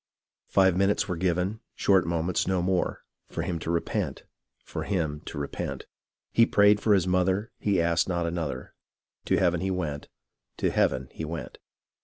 Five minutes were given, short moments, no more. For him to repent ; for him to repent ; He prayed for his mother, he asked not another, To Heaven he went ; to Heaven he went.